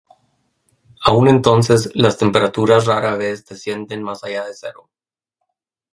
Aún entonces, las temperaturas rara vez descienden más allá de cero.